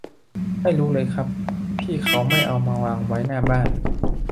ไม่รู้เลยครับ พี่เขาให้เอามาวางไว้หน้าบ้าน